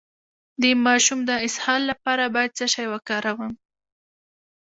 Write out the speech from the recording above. د ماشوم د اسهال لپاره باید څه شی وکاروم؟